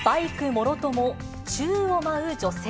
もろとも宙を舞う女性。